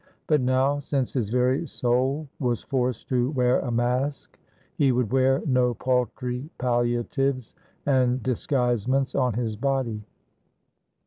But now, since his very soul was forced to wear a mask, he would wear no paltry palliatives and disguisements on his body.